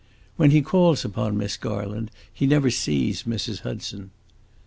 When he calls upon Miss Garland he never sees Mrs. Hudson.